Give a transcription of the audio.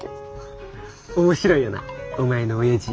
面白いよなお前の親父。